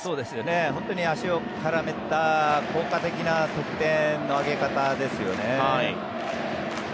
本当に足を絡めた効果的な得点の挙げ方ですよね。